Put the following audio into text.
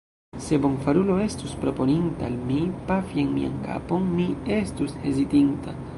Se bonfarulo estus proponinta al mi, pafi en mian kapon, mi estus hezitinta.